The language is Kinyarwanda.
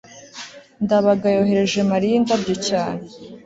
ndabaga yohereje mariya indabyo cyane